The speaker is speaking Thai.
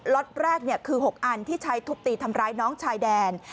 ล็อตแรกคือ๖อันที่ใช้ทุบตีทำร้ายน้องชายแดน